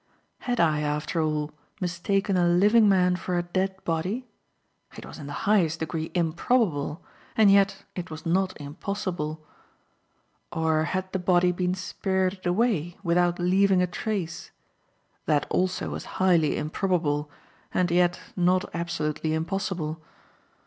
Had I, after all, mistaken a living man for a dead body? It was in the highest degree improbable, and yet it was not impossible. Or had the body been spirited away without leaving a trace? That also was highly improbable and yet, not absolutely impossible.